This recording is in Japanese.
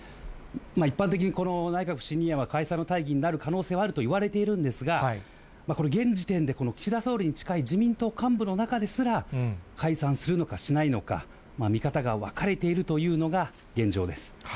一般的にこの内閣不信任案は解散の大義になる可能性はあると言われているんですが、この現時点で、岸田総理に近い自民党幹部の中ですら、解散するのか、しないのか、見方が分かれているというのが現状です。